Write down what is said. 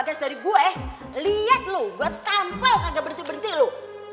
ya allah kenapa bisa begitu